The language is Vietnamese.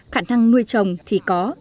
khả năng nuôi trồng thì có